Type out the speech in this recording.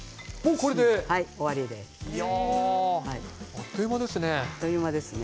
あっという間ですね。